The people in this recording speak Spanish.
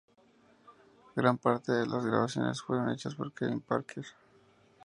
Gran parte de las grabaciones fueron hechas por Kevin Parker.